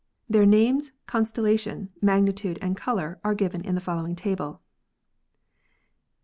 Their names, con stellation, magnitude and color are given in the following table : Star.